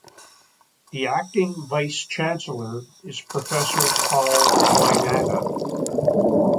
The Acting Vice Chancellor is Professor Paul Wainaina.